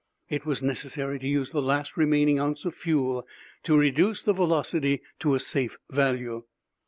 It was necessary to use the last remaining ounce of fuel to reduce the velocity to a safe value.